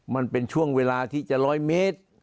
มันเป็นช่วงเวลาที่จะร้อยเมตร